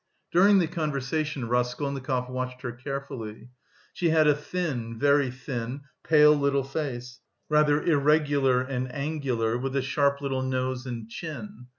During the conversation, Raskolnikov watched her carefully. She had a thin, very thin, pale little face, rather irregular and angular, with a sharp little nose and chin.